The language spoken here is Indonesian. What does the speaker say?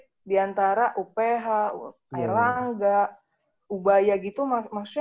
bisa kompit diantara uph air langga ubaya gitu maksudnya